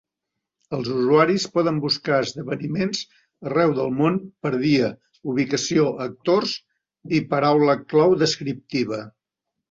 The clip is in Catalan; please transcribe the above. Els usuaris poden buscar esdeveniments arreu del món per dia, ubicació, actors i paraula clau descriptiva.